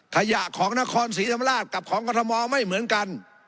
ขยะของนครศรีธรรมราชกับของกรทมไม่เหมือนกัน